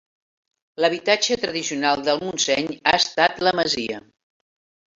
L'habitatge tradicional del Montseny ha estat la masia.